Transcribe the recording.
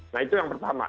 nah itu yang pertama